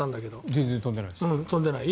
全然飛んでないです。